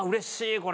これ。